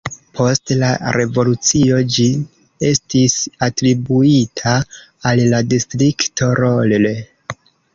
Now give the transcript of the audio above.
Post la revolucio ĝi estis atribuita al la Distrikto Rolle.